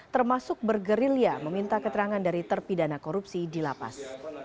termasuk bergerilya meminta keterangan dari terpidana korupsi di lapas